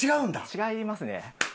違いますね。